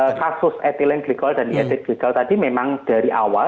nah kasus etilen glikol dan diet glikol tadi memang dari awal